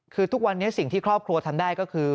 คือทุกวันนี้สิ่งที่ครอบครัวทำได้ก็คือ